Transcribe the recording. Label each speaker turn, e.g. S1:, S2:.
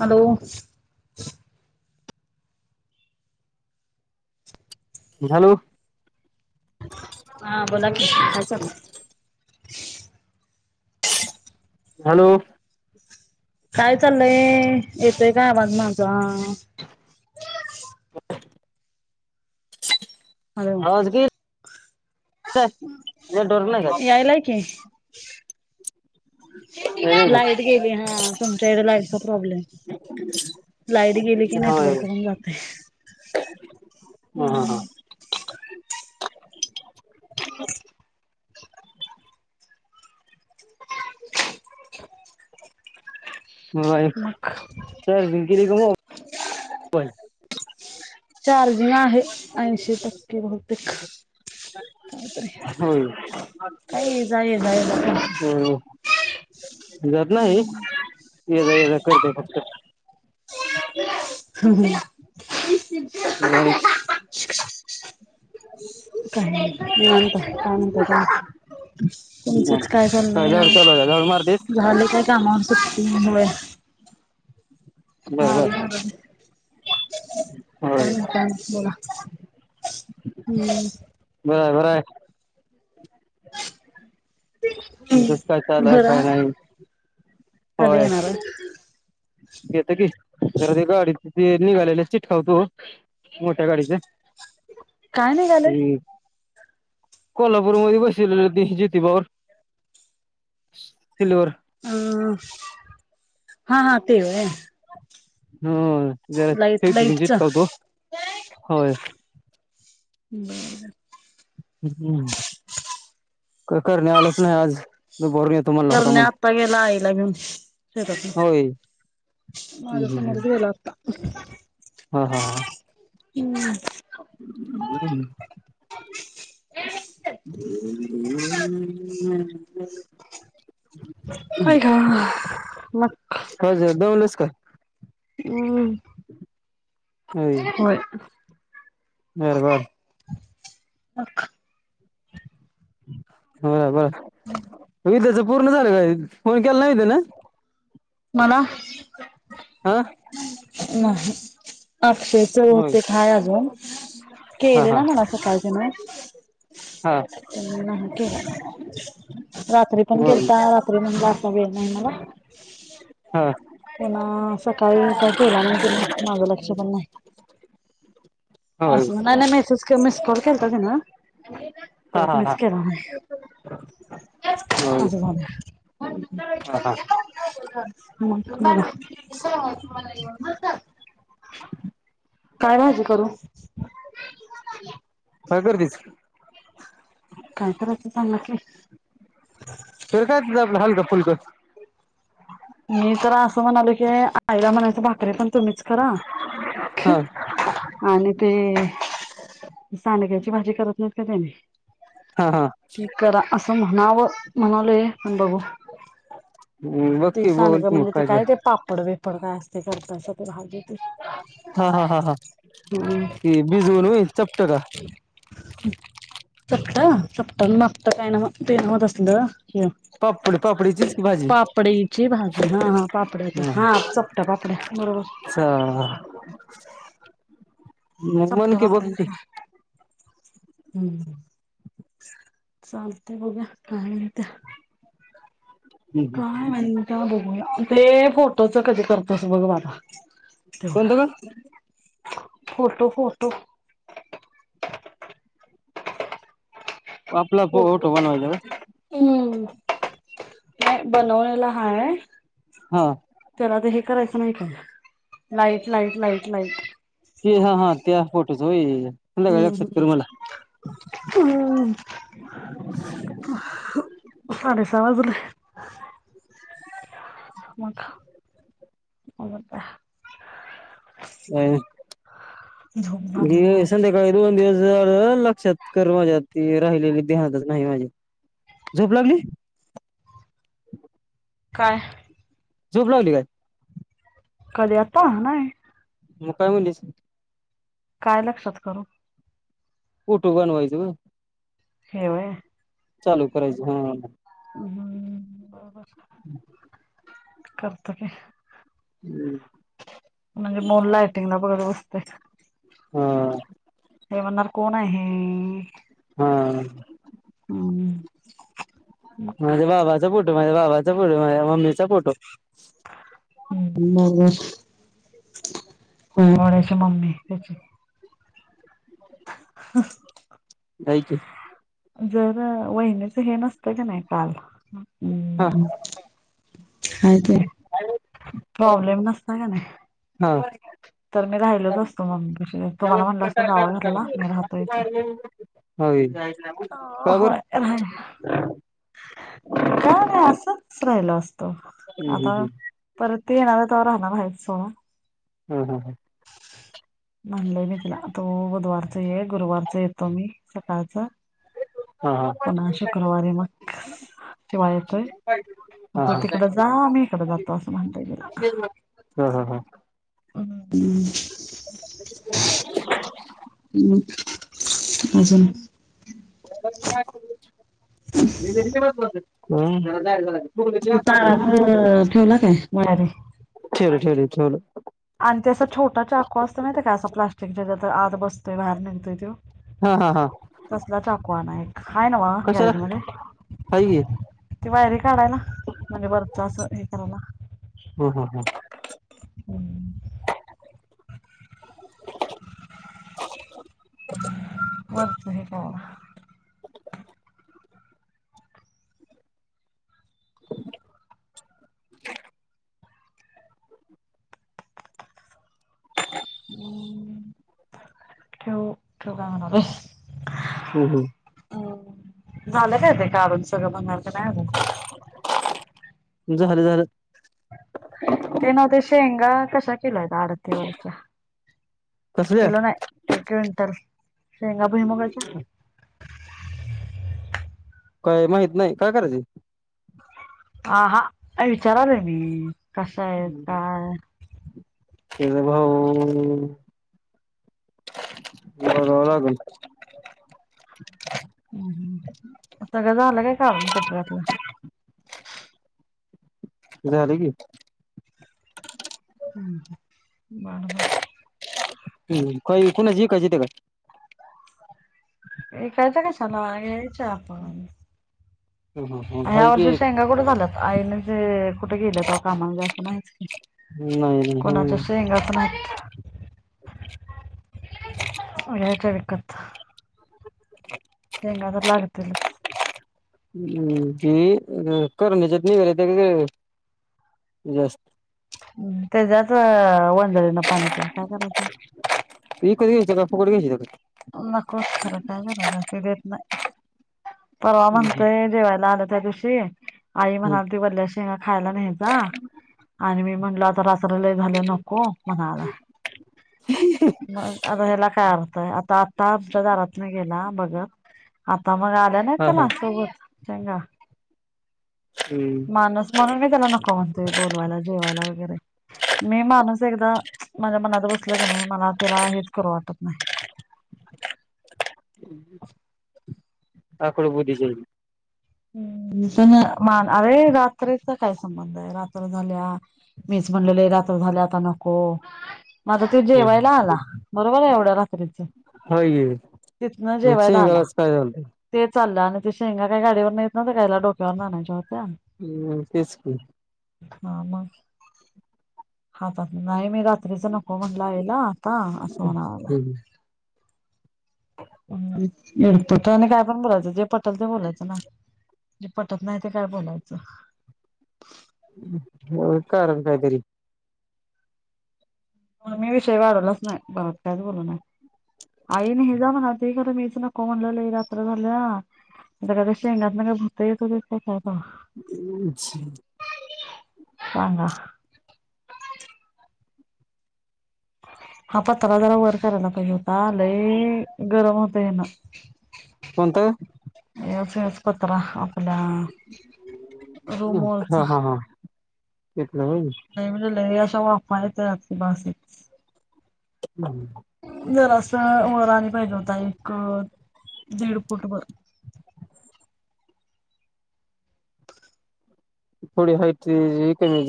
S1: Hello?
S2: Hello?
S1: हा बोला की, काय चा
S2: हॅलो?
S1: काय चाललंय, येतय का आवाज माझा?
S2: हो.
S1: हॅलो
S2: आवाज बी नेटवर्क नाही का
S1: यायलाय की.
S2: नाही का
S1: लाईट गेली, हा तुमच्या इथ लाईटचा प्रॉब्लेम. लाईट गेली की नेटवर्क पण जात.
S2: हम हा हा.
S1: [unintelligible]
S2: म
S1: मग
S2: चार्जिंग केलीकी नाय व्हय [unintelligible]
S1: चार्जिंग आहे ऐंशी टक्के बहुतेक. बापरे
S2: होय
S1: काही ये जाई ये बाहेर जाय
S2: हो जात नाही, ये जा ये जा करतय फक्त.
S1: ह ह [unintelligible]
S2: हम [unintelligible]
S1: काय निवांत, काय का [unintelligible] तुमचच काय
S2: झाडू
S1: चाललंय,?
S2: चालू आहे का झाडू मारतेस
S1: झाले काय कामावर सुट्टी? ह
S2: बर बर
S1: का, काय
S2: होय
S1: म्हणता बोला. हम्म.
S2: बरं बरंय. दुष्काळ चालू हाय
S1: जरा
S2: काय नई,
S1: कधी
S2: होय.
S1: येणार आहे
S2: येत की जरा ते गाडीच ते निघालेले चीटकवतो मोठ्या गाडीच
S1: काय नाही झालंय
S2: हि कोल्हापूर मध्ये बशिविली ती ज्योतीबार सिल्वर.
S1: ह्म. हा हा ते होय.
S2: हो जरा
S1: लाईट
S2: टेप नई
S1: लाईटच
S2: चिटकवतोय होय.
S1: [unintelligible]
S2: ह्, कर करणी आलंच नाही आज, दुपारून म्हणला होता
S1: करण्या
S2: म्हण
S1: आता गेला आईला घेऊन, शेतातून
S2: होय
S1: माझ
S2: हम्म हम्म
S1: समोरच गेला आता.
S2: हा हा हा.
S1: हम्.
S2: [unintelligible] हम [unintelligible] [inaudible]
S1: आई गं, मग
S2: काय झाल, दमलस का?
S1: ऊम. [unintelligible] होय.
S2: बर बर.
S1: अख.
S2: ब बरं विदया च पूर्ण झालं काय? फोन केला नाही ते ना
S1: मला?
S2: हां.
S1: म अक्ष [unintelligible] ज
S2: होय
S1: होते खय अजून के
S2: हा
S1: केले
S2: हा
S1: ना मला सकाळचे म [unintelligible]
S2: हा
S1: तर ना हेत [unintelligible] रात्री पण
S2: होय
S1: केलता, रात्री म्हणज असा वेळ नाही मला.
S2: ह.
S1: त्यांना सकाळी काय केला नाही तुला माझं लक्ष पण नाही [unintelligible]
S2: होय
S1: असं नाही नाही मिस [unintelligible] मिस कॉल केलता की नाही
S2: हा
S1: परत
S2: हा हा
S1: मीच केला नाही.
S2: होय
S1: [unintelligible]
S2: हा हा
S1: ला [unintelligible] [inaudible] काय भाजी करू?
S2: काय करतीस?
S1: काय करू ते सांगा की?
S2: कर काय तरी आपलं हलंक फुलकं.
S1: मी तर असं म्हणाल की, आईला म्हणायच भाकरीे पण तुम्हीच करा-
S2: हा
S1: आणि ते सांडग्याची भाजी करत नाहीत का तेनी-
S2: हा. हा.
S1: ती करा, असं म्हणावं म्हणालय पण बघू.
S2: हो [unintelligible]
S1: ते सांडगं म्हणजे, ते काय ते पापड बीपड काय असते करत- ेत हम् [unintelligible] [inaudible]
S2: शिजवून होय चपटका? [unintelligible]
S1: चपट, चपट आणि मापट काय नव्हं ते नव्हं तसलं हे-
S2: पापडी, पापडीचीच की भाजी.
S1: भाजी हा, हा पापड्यात हा चोपट्या पापड्या बरोबर [unintelligible]
S2: ह मन
S1: चपट्या
S2: के वक्त
S1: पापड्या
S2: [unintelligible]
S1: हम्म. चालतय बघुया काय म्हणत्या?
S2: कोणतं
S1: काय म्हणत्या बघूया, ते फोटोच कधी करतोस बघ बाबा-
S2: ग
S1: तेवढं, फोटो, फोटो-
S2: आपला फोटो बनवायचा का?
S1: हम्म. नाही बनवलेला हाय-
S2: हा.
S1: त्याला तर हे करायचं नाही का, लाईट, लाईट, लाईट, लाईट.
S2: ते हा, हा, त्या फोटोच व्हय. का लक्षात
S1: हम्म
S2: करू मला [unintelligible]
S1: साडे सहा वाजले. म का म का [inaudible] [unintelligible]
S2: अ
S1: झोप झाली नाही
S2: ज
S1: आज
S2: संध्याकाळी [unintelligible] दोन दिवस लक्षात कर माझ्या, ती राहिलेली ध्यानातच नाही माझ्या. झोप लागली?
S1: काय?
S2: झोप लागली काय?
S1: कधी, आता नाही.
S2: मग काय म्हनलीस?
S1: काय लक्षात करू?
S2: फोटो बनवायचं व.
S1: हे व्हय.
S2: चालू करायचं हा.
S1: हम्म.. बर बर करतो की.
S2: हम्म [inaudible]
S1: म्हणजे मन लायटिंगला बघत बसते.
S2: हा
S1: ते म्हणणार कोण आहे.
S2: हम्
S1: हम्म मग
S2: म्हणजे बाबाचा फोटो म्हणजे बाबाचा फोटोे मम्मीचा फोटो.
S1: ह् मग. हो बड्याची मम्मी त्याची ह
S2: नाहीय की.
S1: जर वहिन्याच हे नसतं का नाही काल
S2: हां
S1: ह ते.
S2: अ
S1: प्रॉब्लेम नसता का नाही.
S2: हा
S1: तर मी राहिलोच असतो मम्मीशी तुम्हाला म्हणलं असतं जावा घरला मी राहतो इथे
S2: ह बरोबर
S1: काय नाही असंच राहिल असतो.
S2: हम्म
S1: आता
S2: हम्म
S1: परत ते येणार तेव्हा राहणार आहेच सोडं
S2: हम हम ह.
S1: म्हणलंय मी तिला तो बुधवारच ये गुरुवारचा येतो मी सकाळचा
S2: हा हा हा हा
S1: पुन्हा शुक्रवारी मग तेव्हा येतोय. मग
S2: हा
S1: तो तिकडं जा मी इकड जातो असं म्हणतय तिला
S2: हा हा हा
S1: हम्
S2: [inaudible]
S1: ह् अजून
S2: त न
S1: तार ठेवला काय मळे
S2: ठेवल ठेवल ठेवल
S1: आणि ते असं छोटा चाकू असत मात काय असं प्लास्टिकच्या ज्या आतबसतोय बाहेर निघतोय त.
S2: हा हा हा
S1: तसला चाकूआना एक हय ना बा
S2: कशाला
S1: गॅरेज मध्ये
S2: हाय की हा
S1: ती वायरी काढायला ना म्हणजे बरच असं हे करायला.
S2: हम ह हं
S1: हम् बरत हे का.
S2: [inaudible]
S1: ठेव ठे गाह ना आले.
S2: हम् हम.
S1: हम झालं का ते कारण सगळं बनणार का नाही आ
S2: तुमं हर झा
S1: ते नव ते शेंगा कशा केला होता आडतीवररच्या.
S2: कसल्या
S1: केलो नाही तेंटर शेंगा भुईमुगाच्या.
S2: काय माहित नाही काय करायच.
S1: ह हा विचाराल आहे मी कस आहे काय.
S2: केझ भाऊ. ब लागल.
S1: हम सगळं झालं काय कारण कोपऱ्यातलं.
S2: कुठ झाले की.
S1: हम् बबा.
S2: हम् काय कुणाची विकायची होती का
S1: हे कायचं का सला यायच आता [unintelligible]
S2: हम् [inaudible]
S1: ह्या वर्षी शेंगा कुठे झाल्यात आईने जे कुठे केलं त कामाला जास्त नाहीच की
S2: नाही
S1: कोणाच्या
S2: नाही
S1: शेंग असनात याच्या विकत
S2: [unintelligible]
S1: [unintelligible] लागतल
S2: ह् की करण्याच्यात निघ जास्त
S1: त्याच्याच वन झाली ना पाणी पिया काय करायचं
S2: तु कधी घेयस पकड घेय त [unintelligible]
S1: नकोच खरं काय गरा पि देत नाही [unintelligible] परवा म्हणतय जेवायला आलं त्या दिवशी आई म्हणालती बल्या खायला न्याय जा आणि मी म्हल लय झालं नोको मनाला अ हेला काय अर्थ आता आता आमच्या दारात नाही गेला बघ आता मग आलं नाही
S2: हा
S1: त्याला
S2: हा
S1: असोबत चांगा [unintelligible]
S2: हम्म
S1: माणूस म्हणून मी त्याला नको म्हणतोय बोलवायला जेवायला वगैरे मी माणूस एकदा माझ्या मनात बसल की नाही मला त्याला हेच करू वाटत नाही
S2: आखड बुधी जल [unintelligible]
S1: ह् मान अरे रात्रेचा काय संबंध आहे रात्र झाल्या मीच म्हणलेल रात्र झाले आता नको माझ त
S2: होय
S1: जेवायला आला बरोबर आहे एवढ्या र
S2: की
S1: तिथन जेवायला आला
S2: शेंगालाच काय
S1: ते चाललं आणि ते शेंगा काही गाडीवर नाही य ना कायला डोक्यावर नाण्याच्या होते
S2: हम्म तेच की
S1: ह मग ह नाही मी रात्रीच नको म्हटलं याला आता असं म्हणावलं इडपोत आणि काय पण बोलायचं जे पटल ते बोलायचं ना जे पटत नाही ते काय बोलायचं
S2: हो कारण कायतरी
S1: मी विषय वाढवलाच नाही परत कायच बोलू नाही आई नाही जा म्हण त खरं मीच नको म्हणलेल रात्र झाल्या का शेंगात ना का भुत येतस कस होता
S2: अच्छा
S1: सांगा हा पत्रा जरा वर करायला पाहिजे होता आ लय गरम होतय ना
S2: कोणतं
S1: एच हेच पत्र आपल्या रूम वरचा.
S2: हा हा हा तिथलं होय
S1: नाही म्हणजे लई अशा वाफा येत आती भासेत
S2: हम् [unintelligible]
S1: जरास वर आणि पाहिजे होता एक दीड फुट भर
S2: थोडी हाट कमी [unintelligible]